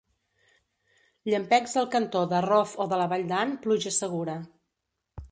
Llampecs al cantó de Rof o de la Valldan, pluja segura.